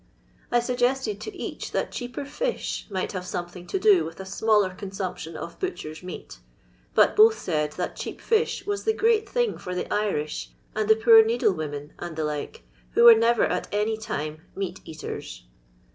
I suggested to each that cheaper fish might have something to do with a smaller consumption of butcher's meat, but both said that cheap fish was the great thing for the Irish and the poor needle women and the like, who were never at any time meat eaters.